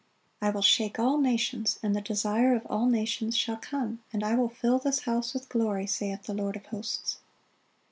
"I will shake all nations, and the Desire of all nations shall come: and I will fill this house with glory, saith the Lord of hosts."